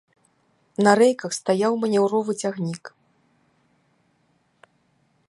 На рэйках стаяў манеўровы цягнік.